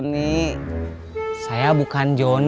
kau mau berangkat